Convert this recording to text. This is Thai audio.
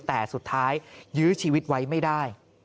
แต่สุดท้ายยื้อชีวิตไว้ไม่ได้